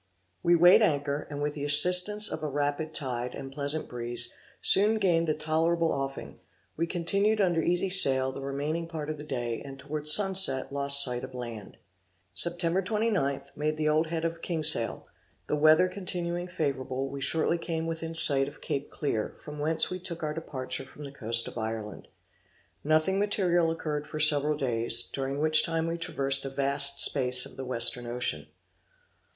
We weighed anchor, and with the assistance of a rapid tide and pleasant breeze, soon gained a tolerable offing: we continued under easy sail the remaining part of the day, and towards sunset lost sight of land. Sept. 29th, made the old head of Kingsale; the weather continuing favorable, we shortly came within sight of Cape Clear, from whence we took our departure from the coast of Ireland. Nothing material occurred for several days, during which time we traversed a vast space of the Western Ocean.